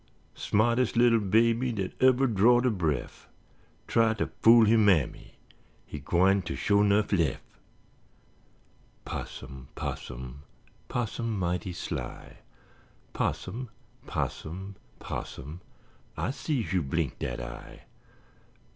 Smah'tes li'l baby dat uver drord a bref, Try ter fool he mammy, he gwine git sho' nuff lef'. 'Possum, 'possum, 'possum mighty sly, 'Possum, 'possum, 'possum, ah sees you blink dat eye.